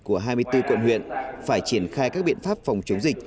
của hai mươi bốn quận huyện phải triển khai các biện pháp phòng chống dịch